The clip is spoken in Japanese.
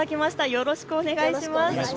よろしくお願いします。